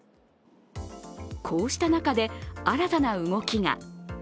こうした中で、新たな動きが。